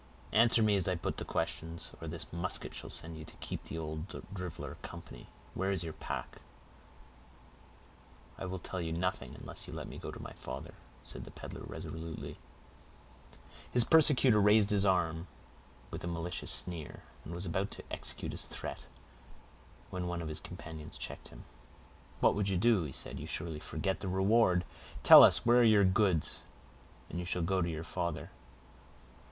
"Answer me as I put the questions, or this musket shall send you to keep the old driveler company: where is your pack?" "I will tell you nothing, unless you let me go to my father," said the peddler, resolutely. His persecutor raised his arm with a malicious sneer, and was about to execute his threat, when one of his companions checked him. "What would you do?" he said. "You surely forget the reward. Tell us where are your goods, and you shall go to your father."